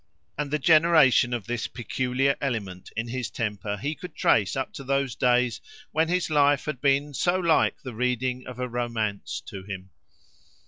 And the generation of this peculiar element in his temper he could trace up to the days when his life had been so like the reading of a romance to him.